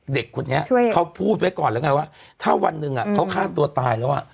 เด็กคนนี้เขาพูดไว้ก่อนแล้วไงว่าถ้าวันหนึ่งเขาฆ่าตัวตายแล้ว